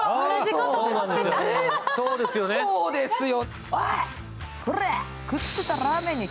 そうですよ。